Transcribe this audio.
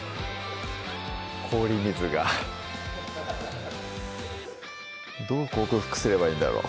氷水がどう克服すればいいんだろう？